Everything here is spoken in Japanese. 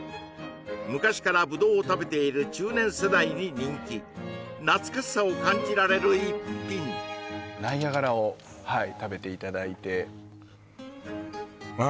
昔からぶどうを食べている中年世代に人気懐かしさを感じられる逸品ナイアガラをはい食べていただいてあ